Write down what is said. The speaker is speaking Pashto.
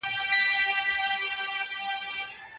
سرمایه باید د نورو د پرمختګ سبب سي.